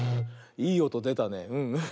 いいおとでたね。